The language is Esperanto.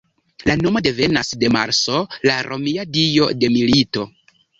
La nomo devenas de Marso, la romia dio de milito.